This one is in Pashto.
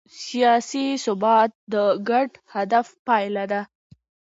سیاسي ثبات د ګډ هدف پایله ده